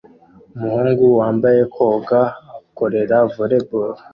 Umuhungu wambaye koga akorera volley ball